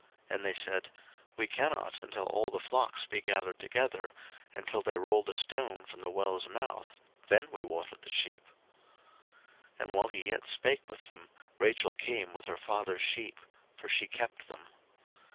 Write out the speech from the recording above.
01:029:008 And they said, We cannot, until all the flocks be gathered together, and till they roll the stone from the well's mouth; then we water the sheep. 01:029:009 And while he yet spake with them, Rachel came with her father's sheep; for she kept them.